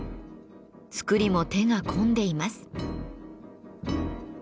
作りも手が込んでいます。